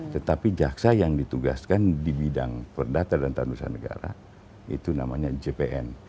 tetapi jaksa yang ditugaskan di bidang perdata dan tandusan negara itu namanya jpn